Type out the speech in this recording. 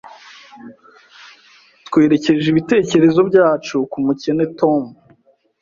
twerekeje ibitekerezo byacu ku mukene Tom.